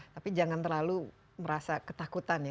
tapi jangan terlalu merasa ketakutan ya